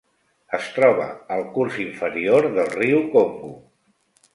Es troba al curs inferior del riu Congo.